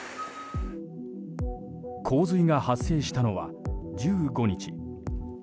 洪水が発生したのは１５日。